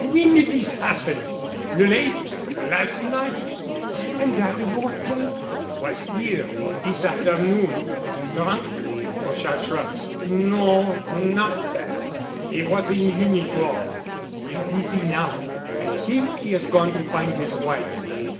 "When did this happen?" "L late last right——" "And 'Arry 'Orton?" "Was here—this afternoon——" "Drunk——?" Pochard shrugged. "No—not bad. He was in uniform." "Where is he now?" "I think he has gone to find his wife."